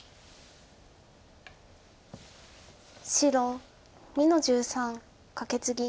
白２の十三カケツギ。